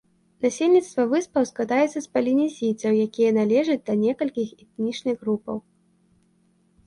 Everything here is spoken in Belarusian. Насельніцтва выспаў складаецца з палінезійцаў, якія належаць да некалькіх этнічных групаў.